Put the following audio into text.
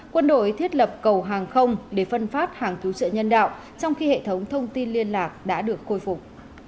quân đội thiết lập cầu hàng không để phân phát hàng cứu trợ nhân đạo trong khi hệ thống thông tin liên lạc đã được khôi phục